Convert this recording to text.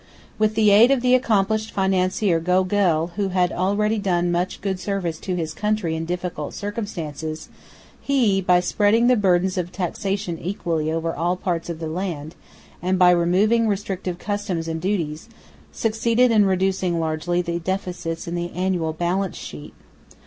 With the aid of the accomplished financier Gogel, who had already done much good service to his country in difficult circumstances, he, by spreading the burdens of taxation equally over all parts of the land and by removing restrictive customs and duties, succeeded in reducing largely the deficits in the annual balance sheet.